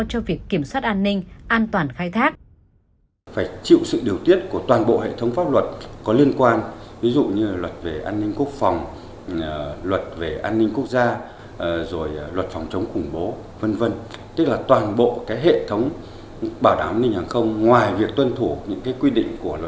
cho việc kiểm soát an ninh an toàn khai thác